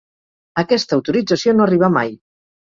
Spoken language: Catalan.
Aquesta autorització no arribà mai.